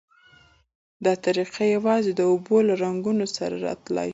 دا طریقه یوازې د اوبو له رنګونو سره را تلای شي.